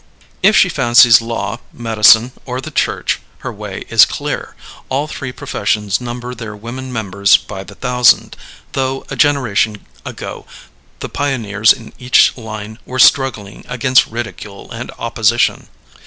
If she fancies law, medicine, or the church, her way is clear. All three professions number their women members by the thousand, though a generation ago the pioneers in each line were struggling against ridicule and opposition.